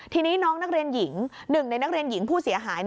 ทีนี้น้องนักเรียนหญิงหนึ่งในนักเรียนหญิงผู้เสียหาย